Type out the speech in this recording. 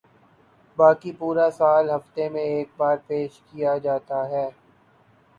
باقی پورا سال ہفتے میں ایک بار پیش کیا جاتا ہے